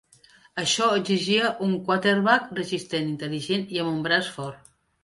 Això exigia un quarterback resistent, intel·ligent i amb un braç fort.